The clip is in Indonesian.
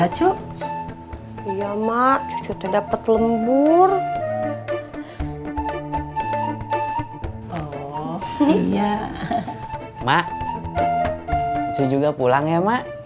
cuy juga pulang ya mak